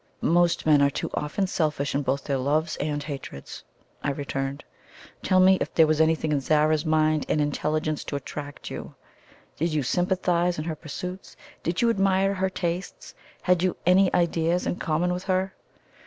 "Most men are too often selfish in both their loves and hatreds," I returned. "Tell me if there was anything in Zara's mind and intelligence to attract you? Did you sympathize in her pursuits; did you admire her tastes; had you any ideas in common with her?"